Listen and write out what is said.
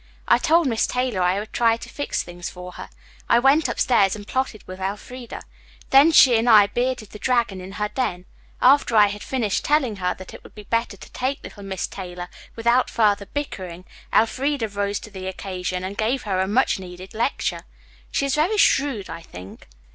"I told Miss Taylor I would try to fix things for her. I went upstairs and plotted with Elfreda. Then she and I bearded the dragon in her den. After I had finished telling her that it would be better to take little Miss Taylor without further bickering, Elfreda rose to the occasion and gave her a much needed lecture. She is very shrewd, I think.